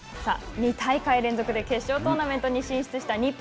２大会連続で決勝トーナメントに進出した日本。